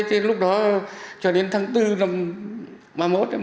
thế lúc đó cho đến tháng bốn năm ba mươi một